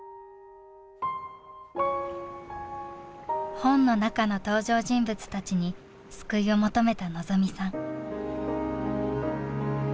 本の中の登場人物たちに救いを求めた望未さん。